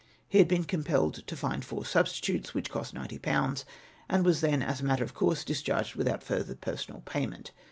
He had been compelled to find four substitutes, ichich cost nineti/ pounds ! and was then, as a matter of course, discharged mthout further personal payment.